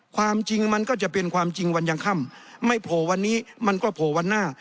ความจริงมันก็จะเป็นความจริงวันยังค่ำไม่โผล่วันนี้มันก็โผล่วันหน้า